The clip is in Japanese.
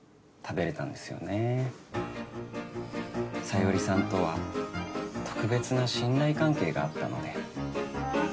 小夜梨さんとは特別な信頼関係があったので。